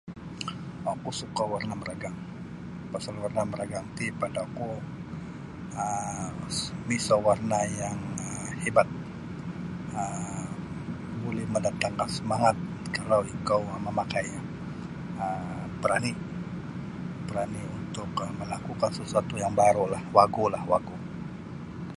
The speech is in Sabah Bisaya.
Oku suka' warna' maragang pasal warna' maragang ti padaku um miso warna' yang hebat um buli mandatangkan samangat kalau ikou mamakainyo um barani' barani' untuk malakukan sasuatu' yang barulah wagulah wagu.